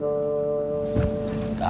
kagal lagi ya